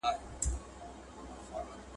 د مرغکیو د عمرونو کورګی